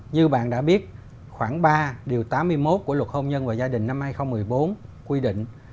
như bạn đã biết khoảng ba điều tám mươi một của luật hôn nhân và gia đình năm hai nghìn một mươi bốn quy định